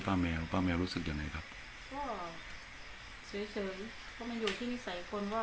เพราะตรงไหนเรียกร้องข้าเสียหายเราไปทำให้เขา